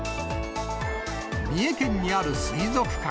三重県にある水族館。